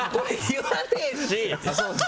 言わねえし。